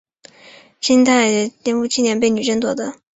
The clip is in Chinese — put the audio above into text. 金太祖天辅七年被女真夺得。